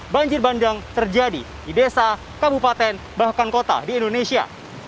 banjir bandang terjadi di desa kabupaten bahkan kota di indonesia